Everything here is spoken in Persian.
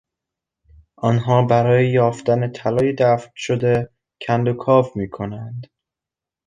آنها برای یافتن طلای دفن شده کند و کاو میکنند.